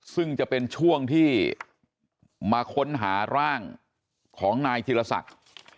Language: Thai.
ซึ่งจะเป็นช่วงที่มาค้นหาร่างของนายธิรศักดิ์